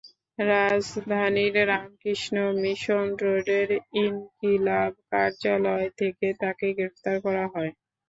রাজধানীর রামকৃষ্ণ মিশন রোডের ইনকিলাব কার্যালয় থেকে তাঁকে গ্রেপ্তার করা হয়।